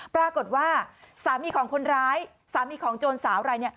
ปรากฏว่าสามีของคนร้ายสามีของโจรสาวอะไรเนี่ย